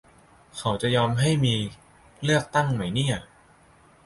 เขาจะยอมให้มีเลือกตั้งไหมเนี่ย